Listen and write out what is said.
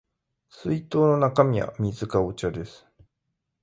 水筒の中身は水かお茶です